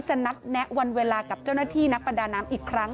นัดแนะวันเวลากับเจ้าหน้าที่นักประดาน้ำอีกครั้ง